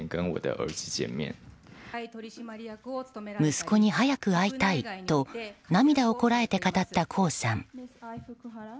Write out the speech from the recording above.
息子に早く会いたいと涙をこらえて語った江さん。